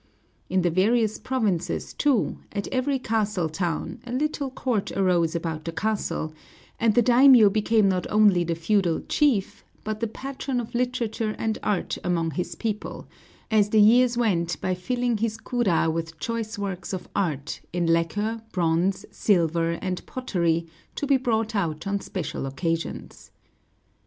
In the various provinces, too, at every castle town, a little court arose about the castle, and the daimiō became not only the feudal chief, but the patron of literature and art among his people, as the years went by filling his kura with choice works of art, in lacquer, bronze, silver, and pottery, to be brought out on special occasions.